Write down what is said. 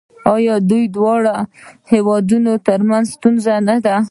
آیا دا د دواړو هیوادونو ترمنځ ستونزه نه ده؟